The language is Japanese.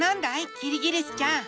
キリギリスちゃん。